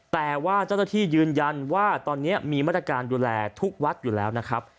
แต่ว่าเจ้าหน้าที่ยืนยันว่าตอนนี้มีมาตรการดูแลทุกวัดอยู่แล้วนะครับ